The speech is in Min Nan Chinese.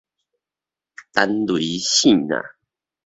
霆雷爍爁